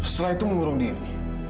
setelah itu mengurung diri